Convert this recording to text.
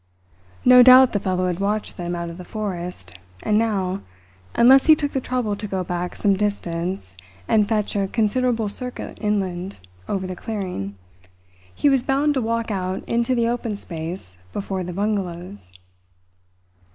No doubt the fellow had watched them out of the forest, and now, unless he took the trouble to go back some distance and fetch a considerable circuit inland over the clearing, he was bound to walk out into the open space before the bungalows.